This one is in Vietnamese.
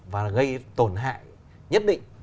và gây tổn hại nhất định